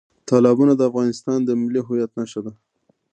تالابونه د افغانستان د ملي هویت نښه ده.